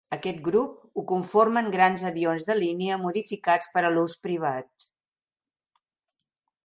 Aquest grup ho conformen grans avions de línia modificats per a l'ús privat.